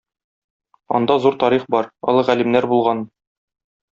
Анда зур тарих бар, олы галимнәр булган.